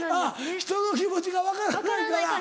人の気持ちが分からないから。